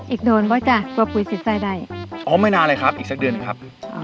อีกโดนปะจ๊ะกลัวปุ๋ยสิดใสได้อ๋อไม่นานเลยครับอีกสักเดือนหนึ่งครับ